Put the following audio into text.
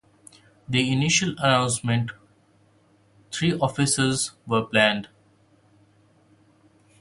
In the initial announcement, three offices were planned.